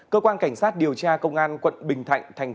tuy nhiên để hạn chế tình trạng